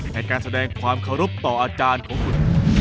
ในการแสดงความเคารพต่ออาจารย์ของคุณ